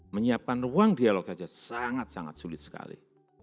menyiapkan ruang dialog saja sangat sangat sulit sekali